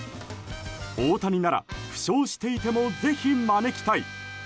大谷なら、負傷していてもぜひ招きたい。